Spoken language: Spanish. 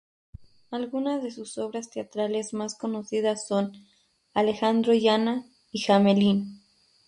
Algunas de sus obras teatrales más conocidas son "Alejandro y Ana" y "Hamelin".